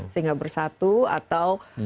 sehingga bersatu atau